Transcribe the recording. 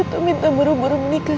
tuh minta buru buru menikah